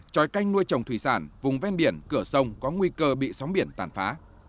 tròi canh nuôi trồng thủy sản vùng ven biển cửa sông có nguy cơ bị sóng biển tàn phá